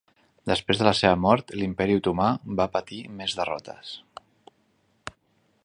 Després de la seva mort, l'Imperi Otomà va patir més derrotes.